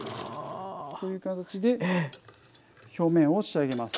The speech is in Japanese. こういう感じで表面を仕上げます。